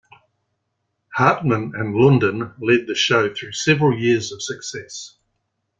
Hartman and Lunden led the show through several years of success.